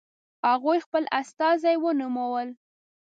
هغوی خپل استازي ونومول.